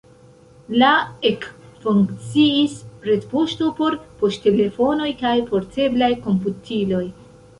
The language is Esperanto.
La ekfunkciis retpoŝto por poŝtelefonoj kaj porteblaj komputiloj.